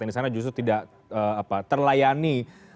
yang disana justru tidak terlayani